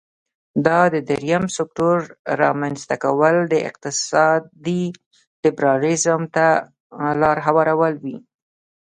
دا د دریم سکتور رامینځ ته کول د اقتصادي لیبرالیزم ته لار هواروي.